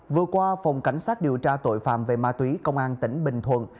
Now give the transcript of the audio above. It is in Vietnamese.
vừa qua phòng cảnh sát điều tra tội phạm về ma túy công an tỉnh bình thuận